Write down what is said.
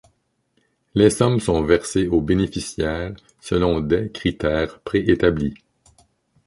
Les sommes sont versées aux bénéficiaires selon des critères préétablis.